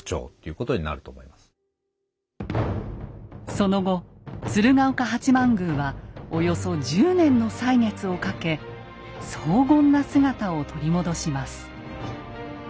その後鶴岡八幡宮はおよそ１０年の歳月をかけ荘厳な姿を取り戻します。